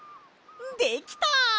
できた！